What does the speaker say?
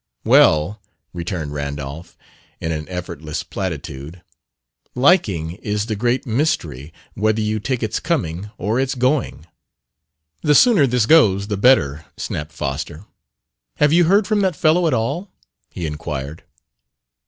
"Well," returned Randolph, in an effortless platitude, "liking is the great mystery whether you take its coming or its going." "The sooner this one goes, the better," snapped Foster. "Have you heard from that fellow at all?" he inquired.